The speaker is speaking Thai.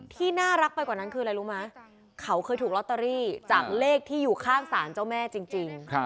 ที่น่ารักไปกว่านั้นคืออะไรรู้ไหมเขาเคยถูกลอตเตอรี่จากเลขที่อยู่ข้างศาลเจ้าแม่จริง